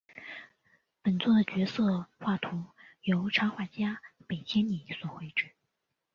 本作的角色图画是由插画家北千里所绘制。